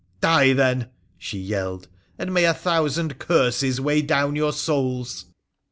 ' Die, then !' she yelled ;' and may a thousand curses weigh down your souls